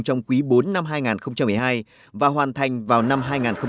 trong quý bốn năm hai nghìn một mươi hai và hoàn thành vào năm hai nghìn một mươi ba